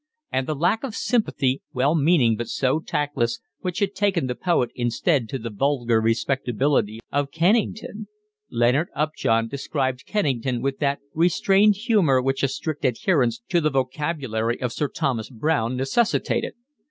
And the lack of sympathy, well meaning but so tactless, which had taken the poet instead to the vulgar respectability of Kennington! Leonard Upjohn described Kennington with that restrained humour which a strict adherence to the vocabulary of Sir Thomas Browne necessitated.